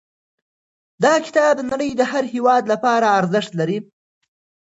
دا کتاب د نړۍ د هر هېواد لپاره ارزښت لري.